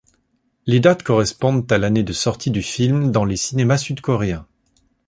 Les dates correspondent à l'année de sortie du film dans les cinémas sud-coréens.